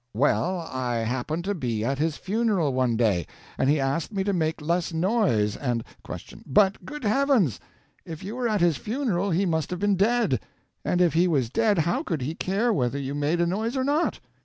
Well, I happened to be at his funeral one day, and he asked me to make less noise, and Q. But, good heavens! if you were at his funeral, he must have been dead, and if he was dead how could he care whether you made a noise or not?